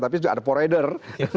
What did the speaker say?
tapi sudah ada porader